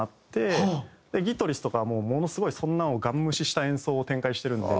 ギトリスとかはもうものすごいそんなのをガン無視した演奏を展開してるので。